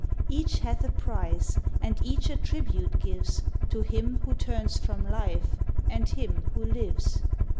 Each hath a price, and each a tribute gives To him who turns from life and him who lives.